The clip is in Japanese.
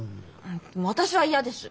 私は嫌です。